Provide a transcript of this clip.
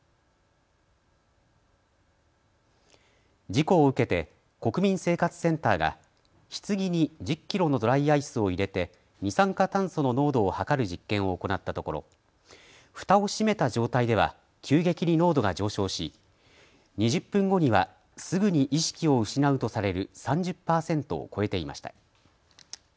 事故を受けて国民生活センターがひつぎに１０キロのドライアイスを入れて二酸化炭素の濃度を測る実験を行ったところふたを閉めた状態では急激に濃度が上昇し２０分後にはすぐに意識を失うとされる３０％を超えていました。